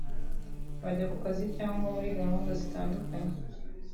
bajya ku kazi cyangwa muri gahunda zitandukanye